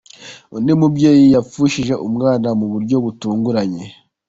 Undi mubyeyi yapfushije umwana mu buryo butunguranye.